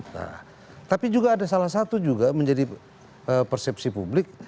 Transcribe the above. nah tapi juga ada salah satu juga menjadi persepsi publik